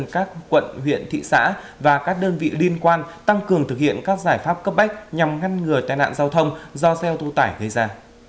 các quận huyện thị xã và các đơn vị liên quan tăng cường thực hiện các giải pháp cấp bách nhằm ngăn ngừa tai nạn giao thông do xe ô tô tải gây ra